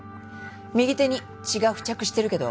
右手に血が付着してるけど？